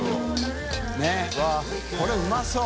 佑これうまそう。